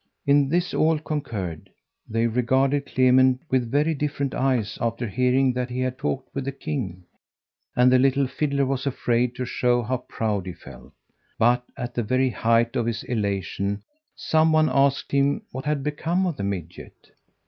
In this all concurred. They regarded Clement with very different eyes after hearing that he had talked with the King, and the little fiddler was afraid to show how proud he felt. But at the very height of his elation some one asked him what had become of the midget.